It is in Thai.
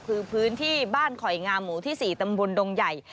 คือพื้นที่บ้านขอยงามหมู่ที่๔ตำบลดงใหญ่